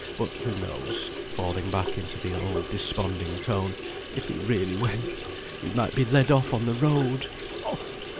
But, who knows" (falling back into the old desponding tone) "if he really went? He might be led off on the road. Oh!